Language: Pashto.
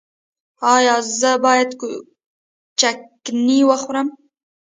ایا زه باید چکنی وخورم؟